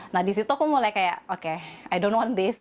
nah disitu aku mulai kayak oke i don't want this